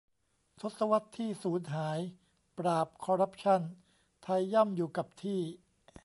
ทศวรรษที่สูญหาย ปราบคอร์รัปชั่นไทยย่ำอยู่กับที่